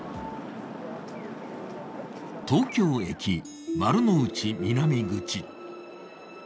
東京駅・丸の内南口。